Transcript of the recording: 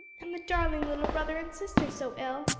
and the darling little brother and sister so ill!